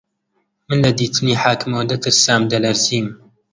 من لە دیتنی حاکم ئەوەندە ترسام دەلەرزیم